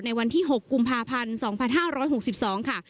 วันที่๖กุมภาพันธ์๒๕๖๒ค่ะ